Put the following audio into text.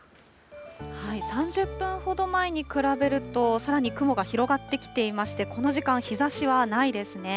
３０分ほど前に比べると、さらに雲が広がってきていまして、この時間、日ざしはないですね。